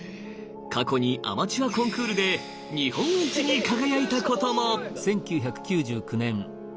過去にアマチュアコンクールで日本一に輝いたことも。